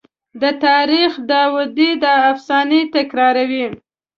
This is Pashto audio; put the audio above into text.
د تاریخ داودي دا افسانه تکراروي.